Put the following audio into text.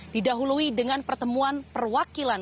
didahului dengan pertemuan perwakilan